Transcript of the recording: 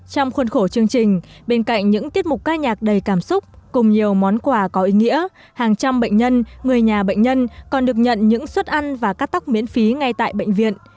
trong khuôn khổ chương trình bên cạnh những tiết mục ca nhạc đầy cảm xúc cùng nhiều món quà có ý nghĩa hàng trăm bệnh nhân người nhà bệnh nhân còn được nhận những suất ăn và cắt tóc miễn phí ngay tại bệnh viện